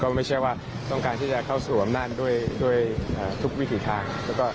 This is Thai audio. ไม่ใช่ว่าต้องการที่จะเข้าสู่อำนาจด้วยทุกวิถีทาง